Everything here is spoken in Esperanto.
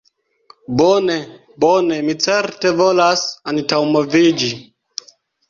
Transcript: "Bone, bone. Mi certe volas antaŭmoviĝi."